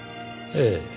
ええ。